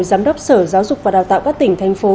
giám đốc sở giáo dục và đào tạo các tỉnh thành phố